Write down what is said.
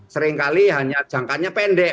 seringkali hanya jangkanya pendek